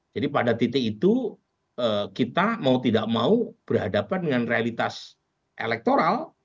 jadi pada titik itu kita mau tidak mau berhadapan dengan realitas elektoral